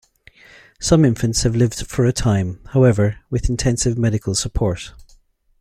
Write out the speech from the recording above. Some infants have lived for a time, however, with intensive medical support.